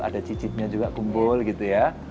ada cicitnya juga kumpul gitu ya